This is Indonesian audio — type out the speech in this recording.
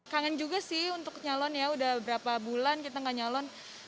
kangen juga sih untuk nyalon ya udah berapa bulan kita gak nyalon